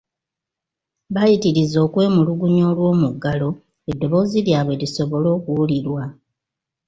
Baayitiriza okwemulugunya olw'omuggalo eddoboozi lyabwe lisobole okuwulirwa.